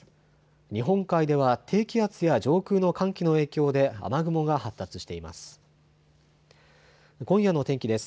日本海では低気圧や上空の寒気の影響で雨雲が発達しています。